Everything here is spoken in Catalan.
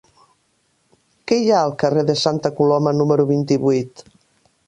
Què hi ha al carrer de Santa Coloma número vint-i-vuit?